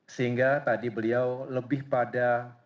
sehingga tadi beliau lebih pada